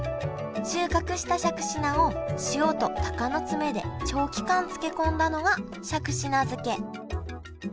収穫したしゃくし菜を塩と鷹の爪で長期間漬け込んだのがしゃくし菜漬け。